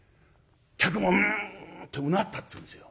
客も「うん」ってうなったっていうんですよ。